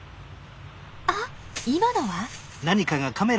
あっ今のは？